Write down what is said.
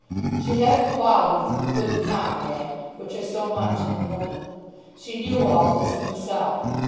She had the qualities of a good comrade which are so much in a woman. She knew all this of herself.